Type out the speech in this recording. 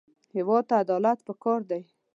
هېواد ته عدالت پکار دی